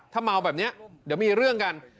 ถ้าเมาแบบนี้เดี๋ยวมีเรื่องกัน